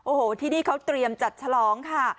โอ้โหที่นี่เขาเตรียมจัดฉลองค่ะ